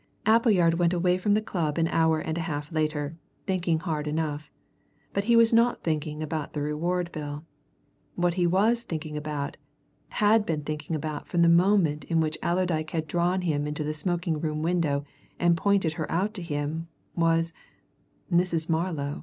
Appleyard went away from the club an hour and a half later, thinking hard enough. But he was not thinking about the reward bill. What he was thinking about, had been thinking about from the moment in which Allerdyke had drawn him into the smoking room window and pointed her out to him, was Mrs. Marlow.